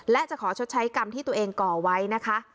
และจะขอชดใช้กรรมที่ตัวเองก่อไว้นะคะ